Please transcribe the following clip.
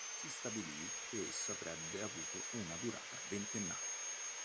Si stabilì che esso avrebbe avuto una durata ventennale.